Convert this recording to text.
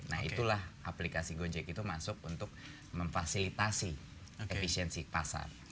nah itulah aplikasi gojek itu masuk untuk memfasilitasi efisiensi pasar